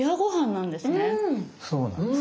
そうなんです。